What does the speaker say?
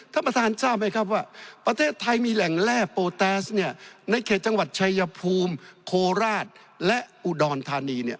ท่านประธานทราบไหมครับว่าประเทศไทยมีแหล่งแร่โปรแตสเนี่ยในเขตจังหวัดชายภูมิโคราชและอุดรธานีเนี่ย